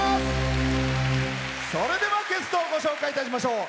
それではゲストをご紹介いたしましょう。